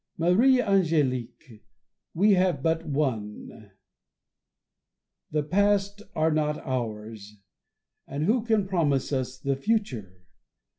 Marie Ang^lique, we have but one : the past are not ours, and who can promise us the future